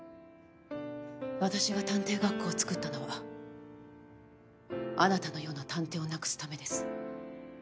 私が探偵学校をつくったのはあなたのような探偵をなくすためです。